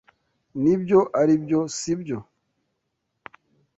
Nibyo aribyo, sibyo?